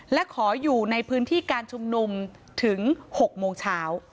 และขออยู่ในพื้นที่การชุมนุมถึง๖โมงเช้า